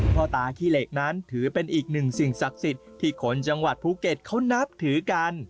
พ่อตาขี้เหล็กนั้นถือเป็นอีกหนึ่งสิ่งศักดิ์สิทธิ์ที่คนจังหวัดภูเก็ตเขานับถือกัน